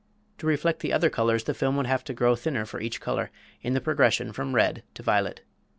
To reflect the other colors the film would have to grow thinner for each color, in the progression from red to violet.